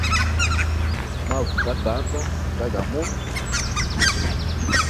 Mavu nga tata nda ga mundu.